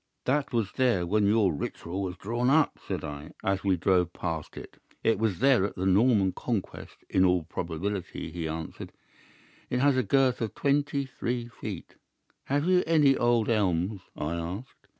"'That was there when your Ritual was drawn up,' said I, as we drove past it. "'It was there at the Norman Conquest in all probability,' he answered. 'It has a girth of twenty three feet.' "'Have you any old elms?' I asked.